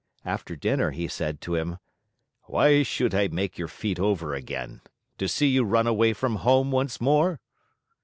After dinner he said to him: "Why should I make your feet over again? To see you run away from home once more?"